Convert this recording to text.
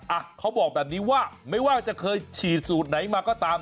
อ่ะเขาบอกแบบนี้ว่าไม่ว่าจะเคยฉีดสูตรไหนมาก็ตาม